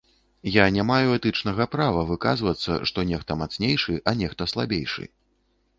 Я не маю этычнага права выказвацца, што нехта мацнейшы, а нехта слабейшы.